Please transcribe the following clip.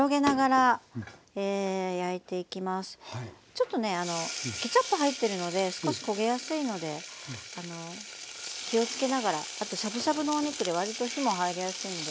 ちょっとねあのケチャップ入ってるので少し焦げやすいので気をつけながらあとしゃぶしゃぶのお肉でわりと火も入りやすいので。